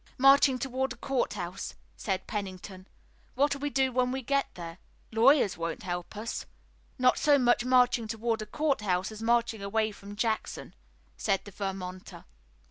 "Marching toward a court house," said Pennington. "What'll we do when we get there? Lawyers won't help us." "Not so much marching toward a court house as marching away from Jackson," said the Vermonter.